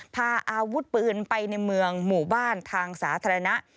พาอาวุธปืนไปในเมืองหมู่บ้านทางสาธารณะ